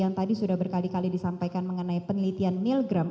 yang tadi sudah berkali kali disampaikan mengenai penelitian milgram